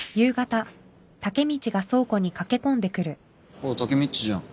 おおタケミっちじゃん。